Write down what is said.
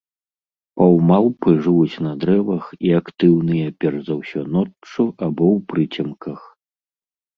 Паўмалпы жывуць на дрэвах і актыўныя перш за ўсё ноччу або ў прыцемках.